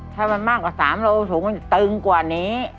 ถ้ามันมากกว่า๓โลสูงมันตึงกว่านี้